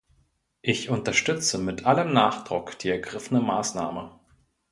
Ich unterstütze mit allem Nachdruck die ergriffene Maßnahme.